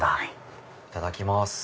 いただきます。